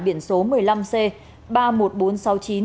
biển số một mươi năm c ba mươi một nghìn bốn trăm sáu mươi chín